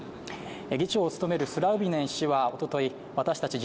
議長を務めるスラウビネン氏はおととい私たち